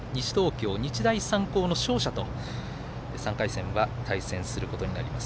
西東京、日大三高の勝者と３回戦は対戦することになります。